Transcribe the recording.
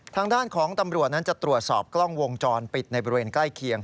ทางด้านของตำรวจนั้นจะตรวจสอบกล้องวงจรปิดในบริเวณใกล้เคียง